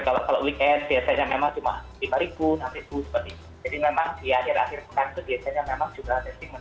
jadi memang di akhir akhir kasus biasanya memang juga testing menurut saya